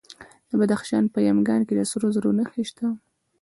د بدخشان په یمګان کې د سرو زرو نښې شته.